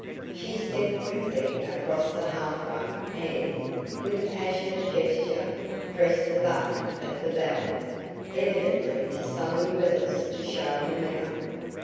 She stepped quickly across the hearthrug and, with a passionate gesture, pressed the button of the bell evidently to summon Willis to show him out.